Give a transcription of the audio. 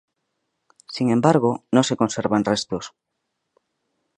Sin embargo, no se conservan restos.